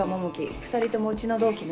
２人ともうちの同期ね。